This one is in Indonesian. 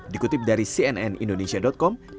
dikutip dari cnn indonesia com